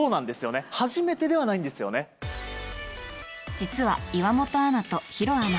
実は、岩本アナと弘アナ